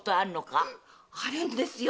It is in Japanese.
あるんですよ。